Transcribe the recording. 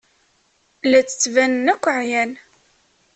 La d-ttbanen akk ɛyan.